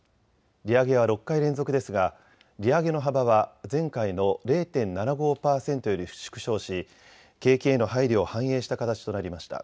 利上げは６回連続ですが利上げの幅は前回の０．７５％より縮小し景気への配慮を反映した形となりました。